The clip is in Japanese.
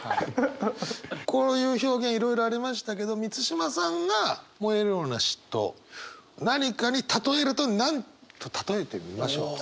こういう表現いろいろありましたけど満島さんが燃えるような嫉妬を何かにたとえると何とたとえてみましょう？